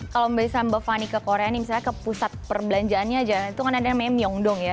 kalau misalnya mbak fani ke korea nih misalnya ke pusat perbelanjaannya aja itu kan ada meme myong dong ya